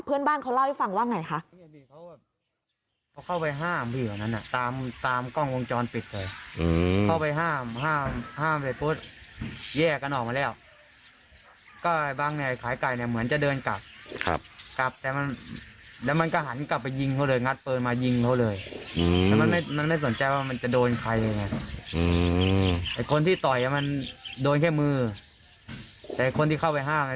เพื่อนบ้านเขาเล่าให้ฟังว่าไงคะ